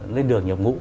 lên đường nhập ngũ